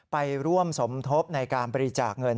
ไปร่วมสมทบในการบริจาคเงิน